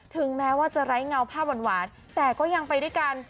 ถึงแม้ว่าจะไร้เงาภาพหวานแต่ก็ยังไปด้วยกัน